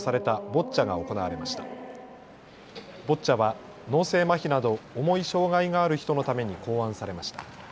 ボッチャは脳性まひなど重い障害がある人のために考案されました。